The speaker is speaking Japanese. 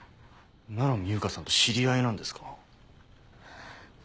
七海悠香さんと知り合いなんですか？